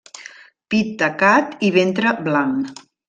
Pit tacat i ventre blanc.